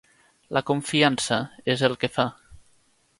La confiança és el que fa.